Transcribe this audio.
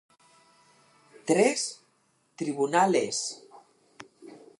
Tres, tribunal és.